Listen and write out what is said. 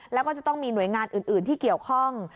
แล้วก็จะต้องมีหน่วยงานอื่นที่เกี่ยวข้อง